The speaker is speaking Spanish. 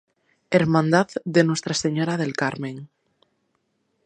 Hermandad de Nuestra Señora del Carmen.